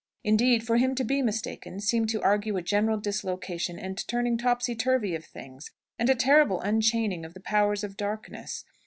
Indeed, for him to be mistaken seemed to argue a general dislocation and turning topsy turvy of things, and a terrible unchaining of the powers of darkness.